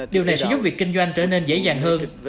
điều này sẽ giúp việc kinh doanh trở nên dễ dàng hơn